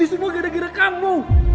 itu semua gara gara kamu